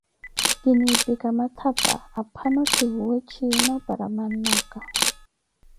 kinnipikha mathapa aphano kivuwe chiima para mannakha.